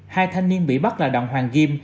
hai thanh niên bị bắt là đoàn hoàng ghim